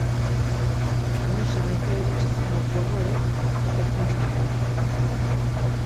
Emuşa meǩireli ç̌ita ar coğori kogotzincğoneren.